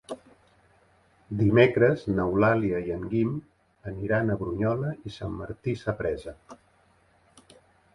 Dimecres n'Eulàlia i en Guim aniran a Brunyola i Sant Martí Sapresa.